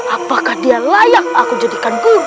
apakah dia layak aku jadikan guru